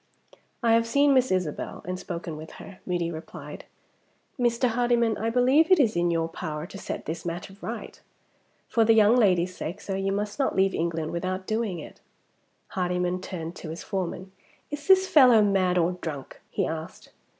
"I have seen Miss Isabel, and spoken with her," Moody replied. "Mr. Hardyman, I believe it is in your power to set this matter right. For the young lady's sake, sir, you must not leave England without doing it." Hardyman turned to his foreman. "Is this fellow mad or drunk?" he asked.